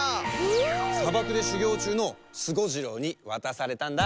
さばくでしゅぎょうちゅうのスゴジロウにわたされたんだ！